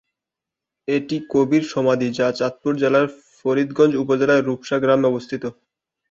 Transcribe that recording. এটি কবির সমাধি যা চাঁদপুর জেলার ফরিদগঞ্জ উপজেলার রূপসা গ্রামে অবস্থিত।